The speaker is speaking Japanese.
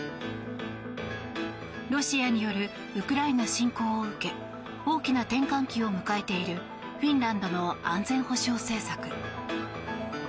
ロシアによるウクライナ侵攻を受け大きな転換期を迎えているフィンランドの安全保障政策。